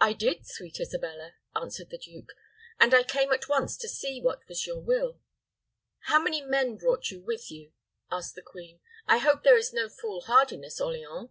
"I did, sweet Isabella," answered the duke; "and I came at once to see what was your will." "How many men brought you with you?" asked the queen. "I hope there is no fool hardiness, Orleans?"